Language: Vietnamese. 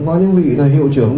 có những vị là hiệu trưởng